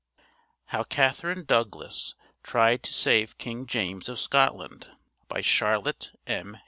HOW CATHERINE DOUGLAS TRIED TO SAVE KING JAMES OF SCOTLAND By Charlotte M.